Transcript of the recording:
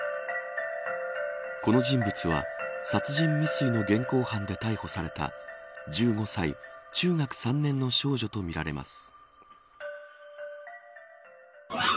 この人物は殺人未遂の現行犯で逮捕された１５歳中学３年の少女とみられます。